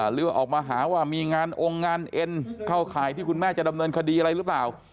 หรือว่าออกมาหาว่ามีงานองค์งานเอ็นเข้าข่ายที่คุณแม่จะดำเนินคดีอะไรหรือเปล่า